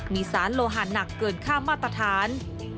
มีสารโลหะหนักเกินค่ามาตรฐาน